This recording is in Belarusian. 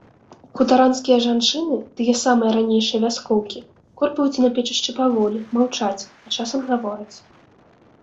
Хутаранскія жанчыны, тыя самыя ранейшыя вяскоўкі, корпаюцца на печышчы паволі, маўчаць, а часам гавораць.